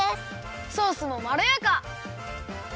ソースもまろやか！